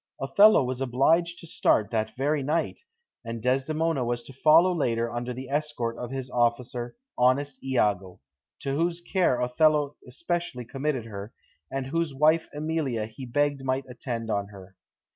Othello was obliged to start that very night, and Desdemona was to follow later under the escort of his officer, "honest Iago," to whose care Othello especially committed her, and whose wife Emilia he begged might attend on her.